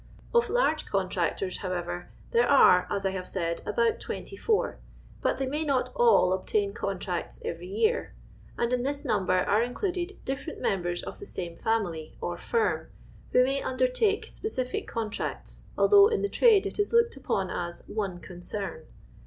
Of hirec contractorB, however, there arc, as I have Kiid, about 24, but they may not all obtain contracts every year, and in this number aro in cluded diiVcrent members of tlie same family or firm, who may undertake fspccitic contracts, al though in the trade it is looked upim as " (int> concern."